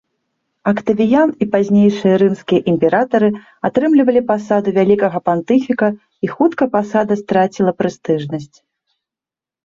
Актавіян і пазнейшыя рымскія імператары атрымлівалі пасаду вялікага пантыфіка, і хутка пасада страціла прэстыжнасць.